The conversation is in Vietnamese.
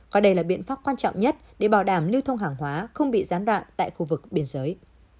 coi đây là biện pháp quan trọng nhất để bảo đảm lưu thông hàng hóa không bị gián đoạn tại khu vực biên giới